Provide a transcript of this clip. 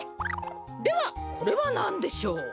ではこれはなんでしょう？